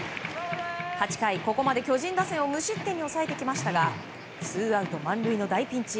８回、ここまで巨人打線を無失点に抑えてきましたがツーアウト満塁の大ピンチ。